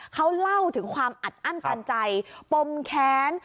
เขาเล่าถึงความอัดอั้นตันใจปมแค้น